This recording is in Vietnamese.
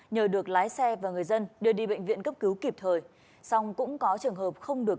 nhờ được lái xe và người dân đưa đi bệnh viện cấp cứu kịp thời xong cũng có trường hợp không được